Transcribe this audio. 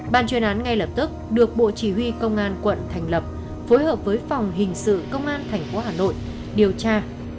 bàn truyền án ngay lập tức được bộ chỉ huy công an quận thành lập phối hợp với phòng hình sự công an thành phố hà nội điều tra